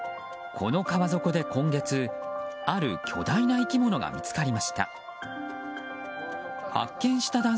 この川底で今月、ある巨大な生き物が見つかりました。